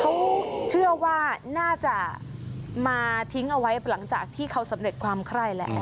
เขาเชื่อว่าน่าจะมาทิ้งเอาไว้หลังจากที่เขาสำเร็จความไคร้แล้ว